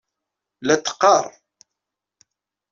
La t-teqqaṛ.